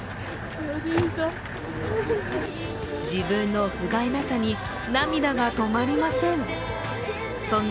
自分のふがいなさに涙が止まりません。